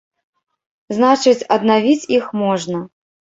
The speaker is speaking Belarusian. Значыць, аднавіць іх можна!